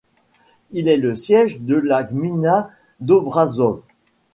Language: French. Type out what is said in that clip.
Il est le siège de la gmina d'Obrazów.